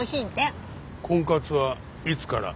婚活はいつから？